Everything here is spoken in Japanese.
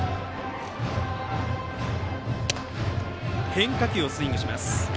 変化球をスイングします。